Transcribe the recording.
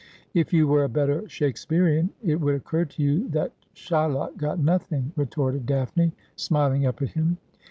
' If you were a better Shakespearian it would occur to you that Shylock got nothing,' retorted Daphne, smiling up at him.